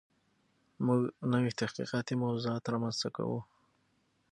موږ نوي تحقیقاتي موضوعات رامنځته کوو.